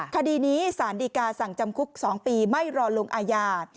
คดีนี้สารดีกาสั่งจำคุก๒ปีไม่รอลงอาญา